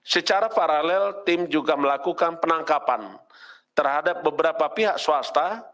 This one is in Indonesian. secara paralel tim juga melakukan penangkapan terhadap beberapa pihak swasta